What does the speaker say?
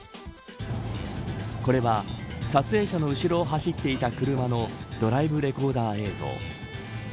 これは撮影者の後ろを走っていた車のドライブレコーダー映像。